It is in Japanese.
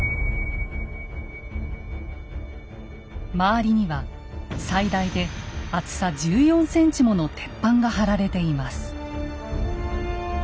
周りには最大で厚さ１４ｃｍもの鉄板が張られています。